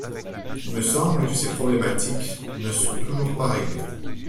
Il me semble que ces problématiques ne sont toujours pas réglées.